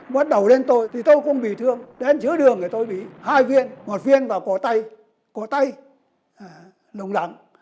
bắt đầu lên tôi thì tôi cũng bị thương đến giữa đường thì tôi bị hai viên một viên vào cỏ tay cỏ tay lồng lặng